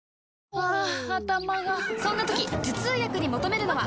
ハァ頭がそんな時頭痛薬に求めるのは？